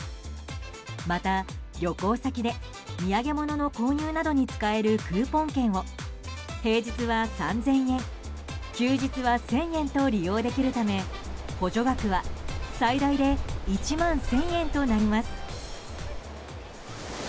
また、旅行先で土産物の購入などに使えるクーポン券を平日は３０００円休日は１０００円と利用できるため補助額は最大で１万１０００円となります。